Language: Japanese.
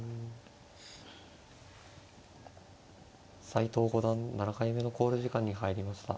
斎藤五段７回目の考慮時間に入りました。